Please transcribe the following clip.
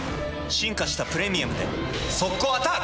進化した「プレミアム」で速攻アタック！